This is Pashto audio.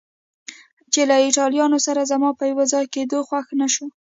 چې له ایټالویانو سره زما په یو ځای کېدو خوښه نه شوه.